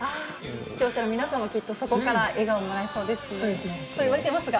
視聴者の皆さんも、きっとそこから笑顔をもらえそうですね。と言われてますが。